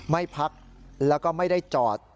ไม่พักแล้วก็ไม่ได้จอด